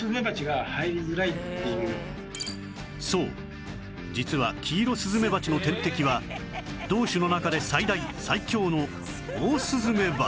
そう実はキイロスズメバチの天敵は同種の中で最大最強のオオスズメバチ